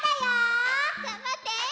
がんばって！